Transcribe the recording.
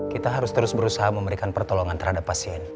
kita harus terus berusaha memberikan pertolongan terhadap pasien